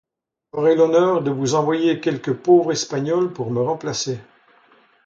J’aurai l’honneur de vous envoyer quelque pauvre Espagnol pour me remplacer.